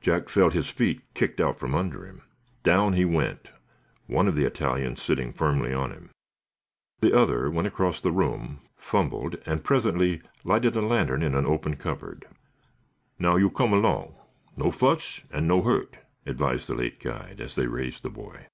Jack felt his feet kicked out from under him. Down he went, one of the Italians sitting firmly on him. The other went across the room, fumbled, and presently lighted a lantern in an open cupboard. "Now, you come along, no fuss and no hurt," advised the late guide, as they raised the boy.